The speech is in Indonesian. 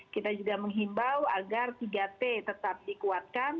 kita juga menghimbau agar tiga t tetap dikuatkan